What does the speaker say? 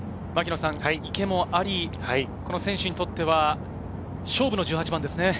池もあり、選手にとっては勝負の１８番ですね。